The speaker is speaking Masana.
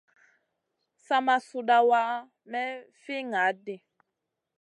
Sa ma suɗawa may fi ŋaʼaɗ ɗi.